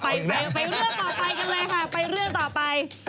ไปไปเรื่องต่อไปกันเลยค่ะไปเรื่องต่อไป